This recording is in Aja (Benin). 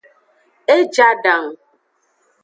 E je adangu.